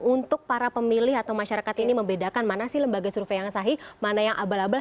untuk para pemilih atau masyarakat ini membedakan mana sih lembaga survei yang sahih mana yang abal abal